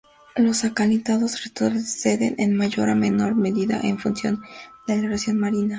Los acantilados retroceden, en mayor o menor medida, en función de la erosión marina.